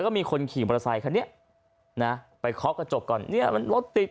ก็มีคนขี่มอเตอร์ไซคันนี้นะไปเคาะกระจกก่อนเนี่ยมันรถติด